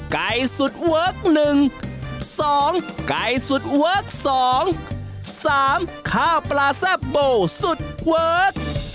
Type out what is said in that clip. ไก่สุดเวิร์ค๑๒ไก่สุดเวิร์ค๒๓ข้าวปลาแซ่บโบสุดเวิร์ค